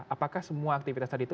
apakah semua aktivitas tadi itu